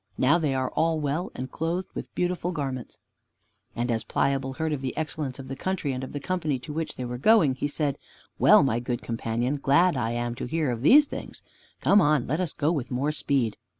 Now they are all well, and clothed with beautiful garments." And as Pliable heard of the excellence of the country and of the company to which they were going, he said, "Well, my good companion, glad I am to hear of these things. Come on, let us go with more speed."